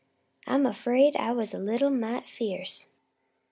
I'm afraid I was a little mite fierce."